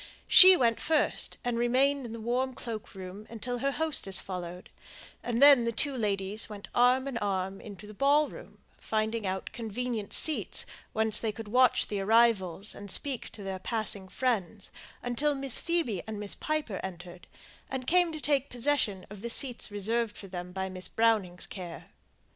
She went first, and remained in the warm cloak room until her hostess followed; and then the two ladies went arm in arm into the ball room, finding out convenient seats whence they could watch the arrivals and speak to their passing friends, until Miss Phoebe and Miss Piper entered, and came to take possession of the seats reserved for them by Miss Browning's care.